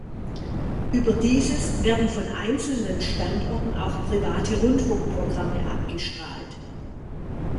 Über dieses werden von einzelnen Standorten auch private Rundfunkprogramme abgestrahlt.